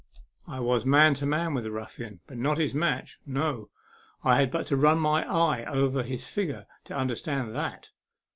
I was man to man with the ruffian, but not his match no, I had but to run my eye over his figure to understand that.